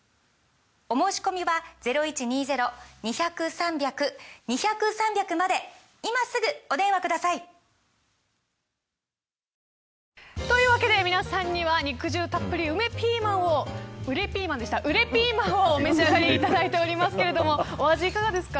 お申し込みは今すぐお電話くださいというわけで皆さんには肉汁たっぷりうれピーマンを召し上がっていただいていますけれどもお味はいかがですか。